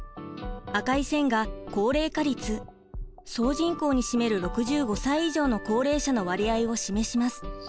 赤い線が高齢化率総人口に占める６５歳以上の高齢者の割合を示します。